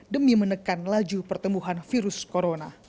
demi menekan laju pertumbuhan virus corona